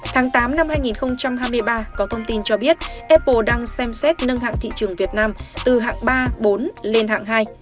tháng tám năm hai nghìn hai mươi ba có thông tin cho biết apple đang xem xét nâng hạng thị trường việt nam từ hạng ba bốn lên hạng hai